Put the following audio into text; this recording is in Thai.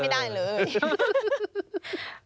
ยังไม่ได้เลย